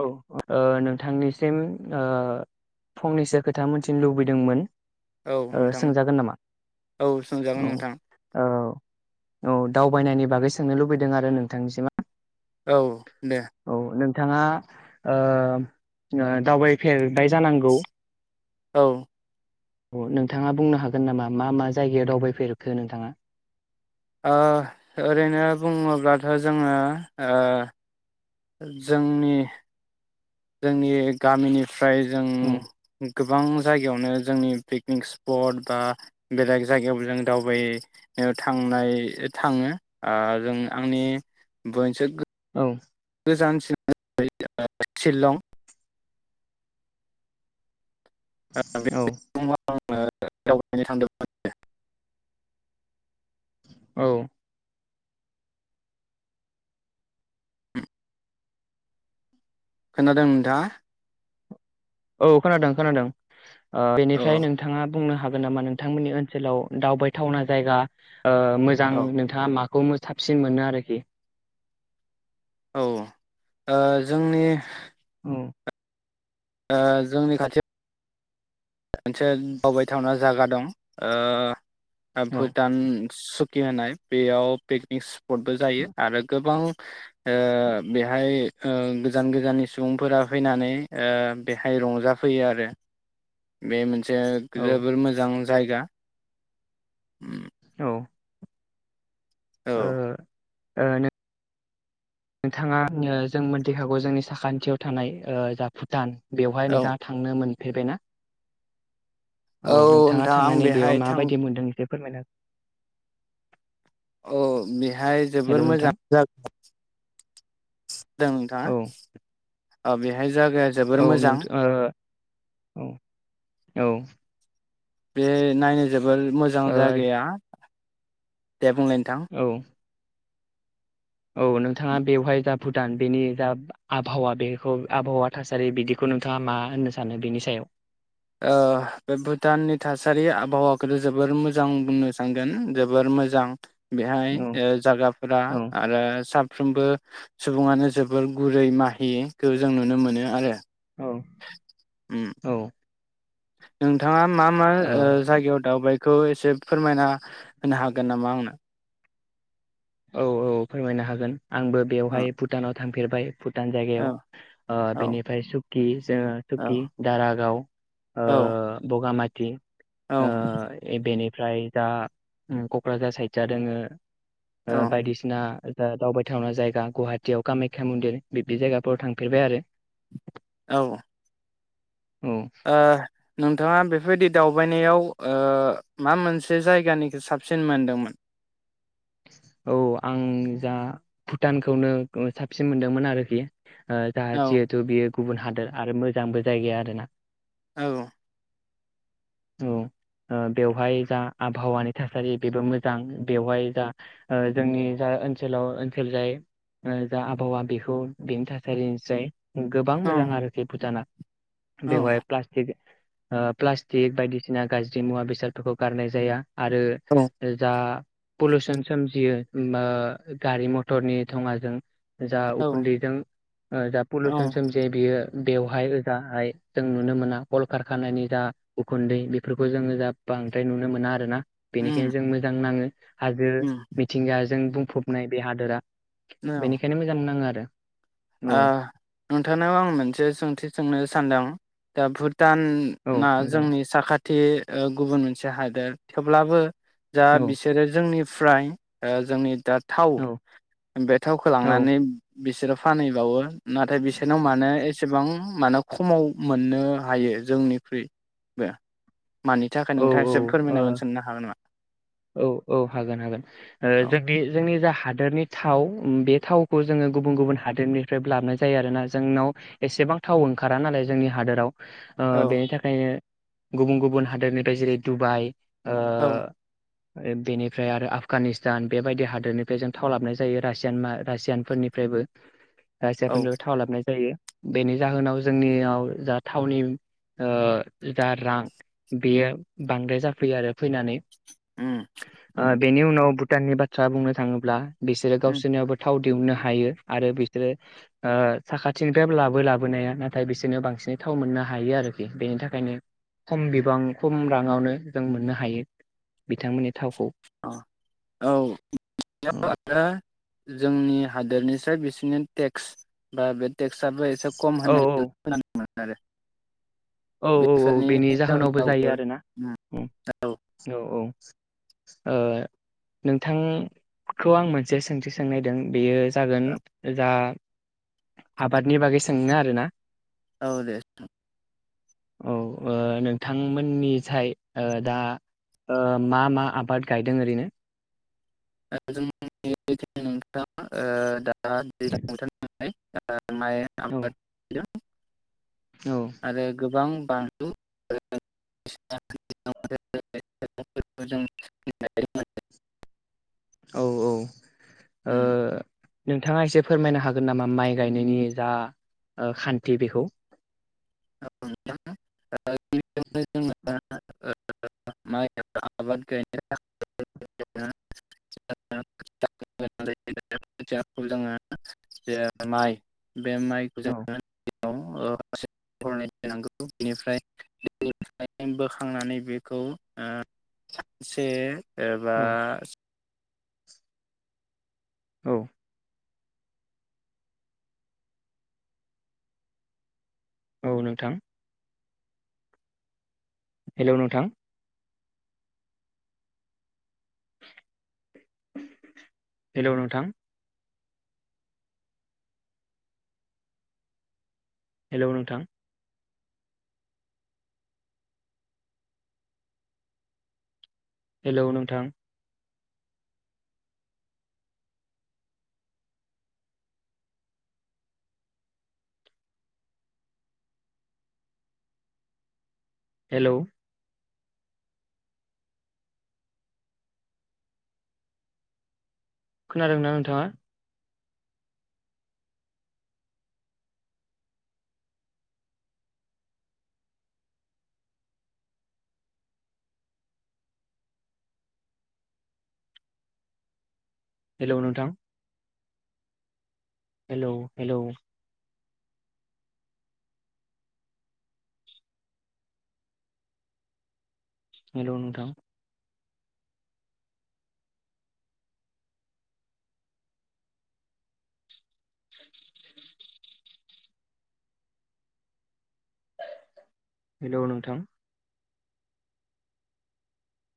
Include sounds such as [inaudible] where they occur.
औ ओ नोंथांनिसिम ओ फंनैसो खोथा मोनथिनो लुबैदोंमोन औ ओ नोंथां सोंजागोन नामा औ सोंजागोन औ नोंथां औ औ दावबायनायनि बागै सोंनो लुबैदों आरो नोंथांनिसिम [inaudible] औ दे थाङा ओम दावबायफेर बाय जानांगौ औ अ नोंथाङा बुंनो हागोन नामा मा मा जायगायाव दावबायफेरखो नोंथाङा? ओ ओरैनो बुङोब्लाथ' जोङो ओ जोंनि जोंनि गामिनि फ्राय जों औ गोबां जायगायावनो जोंनि पिकनिक स्पट बा बेलेग जायगायावबो जों दावबायनो थांनाय थाङो ओ जों आंनि बयनिसाय गो औ गोजान [unintelligible] शिलं बे औ [unintelligible] औ खोनादों नोंथाङा? औ खोनादों खोनादों। ओ औ बेनिफ्राय नोंथाङा बुंनो हाग गोन नामा नोंथांमोननि ओनसोलाव दावबायथावना जायगा ओ मोजां औ नोंथाङा मा? खौ मो साबसिन मोनो आरोखि? औ ओ ओ जोंनि औ ओ जोंनि खाथियाव मोनसे दावबायथावना जागा दं ओ ओ औ भुटान सुकि होननाय बेयाव पिकनिक पटबो जायो आरो गोबां ओ बेहाय ओ गोजान गोजाननि सुबुंफोरा फैनानै ओ बेहाय रंजाफैयो आरो बे मोन से औ जोबोर मोजां। जायगा उम औ औ ओ ओ नो नोंथाङा जों मोनथिखागौ जोंनि साखान्थियाव थानाय ओ जा भुटान बेवहाय औ नोंथाङा थांनो मोन फैबायना? औ नोंथाङा नोंथां आं थांनानै बेयाव बेहाय थां माबायदि मोन्दों इसे फोरमायना हो। औ बेहाय जोबोर मोजां नोंथां जागोन जादों नोंथाङा औ ओ बेहाय जागाया जोबोर औ मोजां। नोंथां औ औ बे नायनाय जोब जोबोर मोजां जागाया। दे बुंलाय नोंथां। ओ औ नोंथाङा बेवहाय जा भुटान बेनि जा आबहावा बेखौ आबहावा थासारि बिदिखौ नोंथाङा मा होननो सानो बेनि सायाव ओह बे भुटाननि थासारि आबहावाखौथ जोबोर मोजां बुंनो सानगोन जोबोर मोजां बेहाय औ जागाफोरा औ आरो सा साफ्रोमबो सुबुङानो जोबोर गुरै माहिखौ जों नुनो मोनो आरो औ उम औ ओ नोंथाङा मा मा जागायाव ओह दावबायखो खौ एसे फोरमायना होनो हागोन नामा आंनो औ औ फोरमायनो हागोन आंबो औ बेवहाय भुटानाव थांफेरबाय भुटान जायगायाव औ ओह औ बेनिफ्राय सुकि जोङ औ सुकि दारागाव औ बगामाथि बि औ आ ए बेनो ओमफ्राय दा क'क्राझार साइद जा दोङो औ ओह बायदिसिना ओ दावबायथावना जायगा गुवाहाटियाव कामाख्या मन्दिर बिब्दि जायगाफोराव थांफेरबाय आरो औ औ ओह नोंथाङा बेफोरबायदि दावबायनायाव ओ मा मोनसे जायगानिखौ साबसिन मोनदोंमोन औ आं जा भुटानखौनो साबसिन मोनदोंमोन आरोखि ओह जाहाथे औ जिहथु बियो गुबुन हादोर आरो मोजांबो जायगाया आरोना औ औ ओह बेवहाय जा आबहावानि थासारि बेबो मोजां बेवहाय जा ओ जोंनि जा ओनसोलाव ओनसोल जाय जा आबहावा बेखौ बेनि थासारिनिसाय गोबां मोजां आरोखि भुटाना औ बेवाय प्लास्टिक ओ प्लास्टिक बायदिसिना गाज्रि मुवा बेसादफोरखौ गारनाय जाया। आरो औ जा पलोसोन सोमजियो ओमबा गारि मथरनि धङाजों जा औ उखुन्दैजों ओ जा औ पलुसोन सोमजे बेयो बेवहाय ओजाहाय जों नुनो मोना। कलकारखानानि जा उखुन्दै बेफोरखौ जोंङो जा बांद्राय नुनो मोना आरो ना। उम बेनिखायनो जों मोजां नाङो हाजो उम याजों बुंफबनाय बे हादोरा। औ बेनिखायनो मोजां नाङो आरो। ओ औ नोंथांनाव आं मोनसे सोंथि सोंनो सानदों दा भुत भुटान औ ना थांजागोन जोंनि साखाथि ओ गुबुन मोनसे हादोर। थेवब्लाबो जा औ बिसोरो जोंनि फ्राय ओ जोंनि दा थाव औ बे थावखौ औ लांनानै बिसोरो फानहैबावो नाथाय बिसोरनाव मानो एसेबां मानो खमाव मोननो हायो जोंनिख्रुइबो। मानि थाखाय औ नोंथाङा औ एसे फोरमायनांगोन सोंनो हागोन नामा ओ औ औ हागोन हागोन ओ औ जोंनि जोंनि जा हादोरनि थाव बे थावखौ जोङो गुबुन गुबुन हादोरनिफ्राय लाबोनाय जायो आरोना। जोंनाव एसेबां थाव ओंखारा नालाय जोंनि हादोराव ओ औ बेनि थाखायनो गुबुं गुबुन गुबुन हादोरनिफ्राय जेरै दुबाइ औ ओ बेनिफ्राय आरो आफगानिस्तान बेबायदि हादोरनिफ्राय जों थाव लाबनाय जायो रासियान मार रासियानफोरनिफ्रायबो। औ रासियाफोरनो थाव लाबनाय जायो। बेनि जाहोनाव जोंनियाव जा थावनि ओ जा रां बेयो बांद्राय जाफैयो आरो फैनानै। उम ओ बेनि उनाव भुटाननि बाथ्रा बुंनो थाङोब्ला बिसोरो उम गावसोरनियाबो थाव दिहुननो हायो आरो बिसोरो ओ साखाथिनिफ्राबो लाबो लाबोनाया नाथाय बिसोरनो बांसिनै थाव मोननो हायो आरोखि। बेनि थाखायनो खम बिबां गोबां खम राङावनो जों मोननो हायो बिथांमोननि थावखौ अ' औ औ बिदिनो आरो जोंनि हादोरनिसाय बिसोरनि टेक्स बा बे टेक्सआबो एसे खम औ होनायमोन आरो औ औ औ बेनि जाहोनावबो जायो आरोना औ औ ओ नोंथांखौ आं मोनसे सोंथि सोंनो नागिरदों बेयो जागोन दा आबादनि बागै सोंनो आरोना? औ दे? औ नोंथांमोननिसाय दा मा मा आबाद गायदों ओरैनो? जोंनिनो नोंथाङा दा दैज्लां बोथोरनालाय माइ औ आबादजों औ आरो गोबां बानलु जों [unintelligible] औ औ ओ नोंथाङा एसे फोरमायनो हागोन नामा माइ गायनायनि जा खान्थि बेखौ? [unintelligible] बे माइखौ औ जोङो औ हरनै दोननांगौ बेनिफ्राय बोखांनानै बेखौ सानसे एबा औ औ औ नोंथां हेलौ नोंथां हेलौ नोंथां हेलौ नोंथां हेलौ नोंथां हेलौ खोनादोंना नोंथाङा? हेलौ नोंथां हेलौ हेलौ हेलौ नोंथां? [inaudible] हेलौ नोंथां